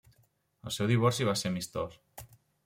El seu divorci va ser amistós.